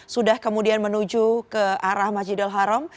sudah kemudian menuju ke arah masjidil haram